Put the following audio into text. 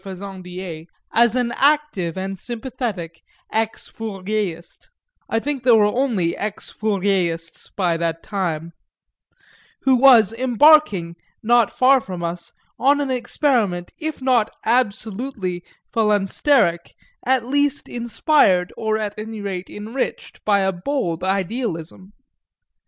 Fezandié as an active and sympathetic ex Fourierist (I think there were only ex Fourierists by that time,) who was embarking, not far from us, on an experiment if not absolutely phalansteric at least inspired, or at any rate enriched, by a bold idealism.